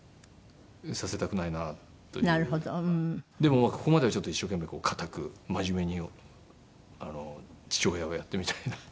でもここまでは一生懸命堅く真面目に父親をやってみたいなと。